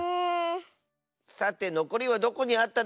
さてのこりはどこにあったでしょうか。